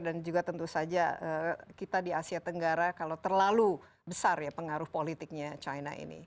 dan juga tentu saja kita di asia tenggara kalau terlalu besar ya pengaruh politiknya china ini